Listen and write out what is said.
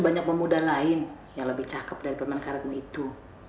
banyak pemuda lain yang lebih cakep dari pemain karetmu itu